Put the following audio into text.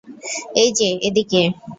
এই যে, এদিকে!